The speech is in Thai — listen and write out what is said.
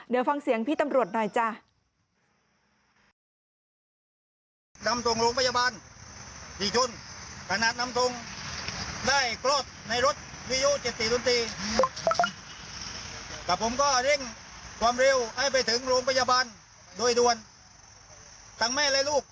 เดี๋ยวฟังเสียงพี่ตำรวจหน่อยจ้ะ